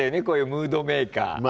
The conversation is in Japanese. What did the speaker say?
こういうムードメーカー。